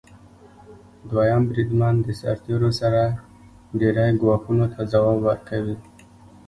دویم بریدمن د سرتیرو سره ډیری ګواښونو ته ځواب ورکوي.